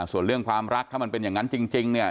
ส่วนเรื่องความรักถ้ามันเป็นอย่างนั้นจริงเนี่ย